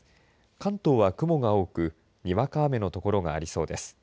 関東は雲が多くにわか雨の所がありそうです。